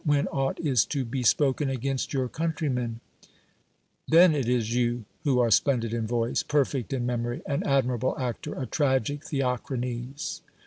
When aught is to be spoken against your countrymen !— then it is you who are splendid in voice, perfect in mem ory, an admirable actor, a tragic Theocrines.